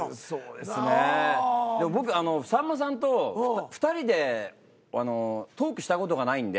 でも僕さんまさんと２人でトークした事がないんで。